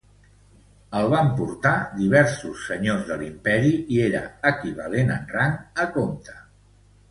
El van portar diversos senyors de l'imperi i era equivalent en rang a comte.